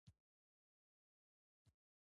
نیوکه کوونکي لوستونکي ته زمینه برابره ده.